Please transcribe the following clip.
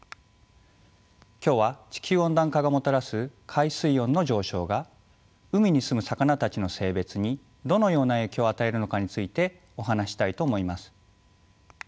今日は地球温暖化がもたらす海水温の上昇が海に住む魚たちの性別にどのような影響を与えるのかについてお話ししたいと思います。